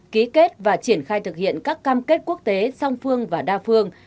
ký kết và triển khai thực hiện các cam kết quốc tế song phương và đa phương